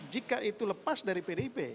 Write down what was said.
jika itu lepas dari pdip